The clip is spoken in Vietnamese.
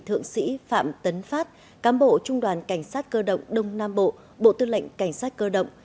thượng sĩ phạm tấn phát cám bộ trung đoàn cảnh sát cơ động đông nam bộ bộ tư lệnh cảnh sát cơ động